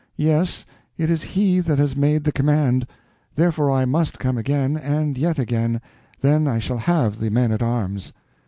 Yes, it is He that has made the command; therefore I must come again, and yet again; then I shall have the men at arms."